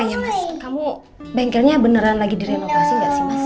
oh iya mas kamu bengkelnya beneran lagi direnovasi gak sih mas